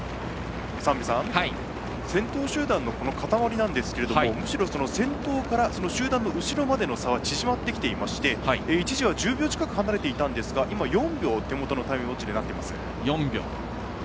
先頭集団の固まりですけどむしろ、先頭から集団の後ろまでの差は縮まってきていまして、一時は１０秒近く離れていたんですが今、４秒、手元のタイムウォッチでなっています。